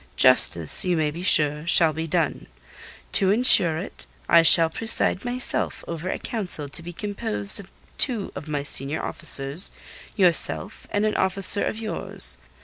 Justice, you may be sure, shall be done. To ensure it, I shall myself preside over a council to be composed of two of my senior officers, yourself and an officer of yours.